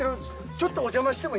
ちょっとお邪魔しても？